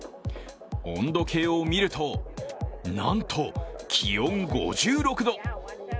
温度計を見ると、なんと気温５６度！